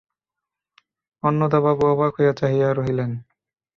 অন্নদাবাবু অবাক হইয়া চাহিয়া রহিলেন।